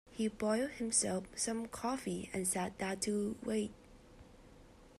He boiled himself some coffee and sat down to wait.